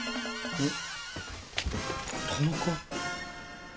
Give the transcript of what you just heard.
えっ？